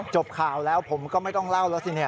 จบข่าวแล้วผมก็ไม่ต้องเล่าแล้วสิเนี่ย